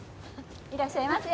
いらっしゃいませ。